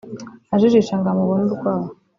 ajijisha ngo amubone urwaho